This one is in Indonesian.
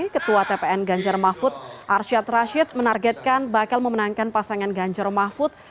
ketua tpn ganjar mahfud arsyad rashid menargetkan bakal memenangkan pasangan ganjar mahfud